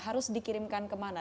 harus dikirimkan kemana